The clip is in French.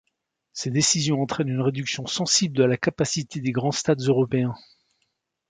Ces décisions entrainent une réduction sensible de la capacité des grands stades européens.